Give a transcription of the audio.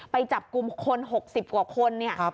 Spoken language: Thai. ไปจับกลุ่มคน๖๐กว่าคนเนี่ย